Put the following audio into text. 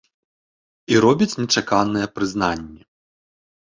І робіць нечаканае прызнанне.